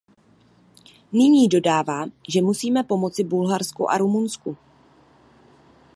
Nyní dodávám, že musíme pomoci Bulharsku a Rumunsku.